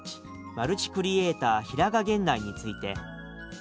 「マルチクリエーター平賀源内」について。